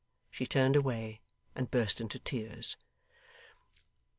She turned away and burst into tears.